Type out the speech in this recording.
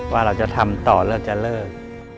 ว่าเราจะทำต่อแล้วจะเลิก